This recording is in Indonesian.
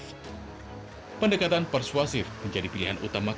pendekatan persuasif menjadi pilihan utama korps dan pendekatan persuasif menjadi pilihan utama korps